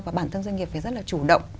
và bản thân doanh nghiệp phải rất là chủ động